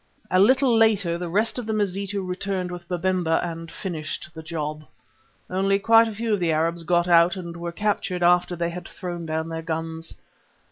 A little later the rest of the Mazitu returned with Babemba and finished the job. Only quite a few of the Arabs got out and were captured after they had thrown down their guns.